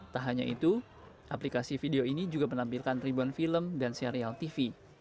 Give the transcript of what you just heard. tak hanya itu aplikasi video ini juga menampilkan ribuan film dan serial tv